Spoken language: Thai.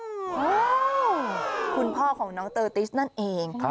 คุณพ่อของน้องเตอร์ติสนั่นเอง